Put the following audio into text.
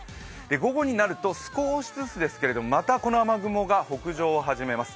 午後になると少しずつですけれどもまた、この雨雲が北上を始めます。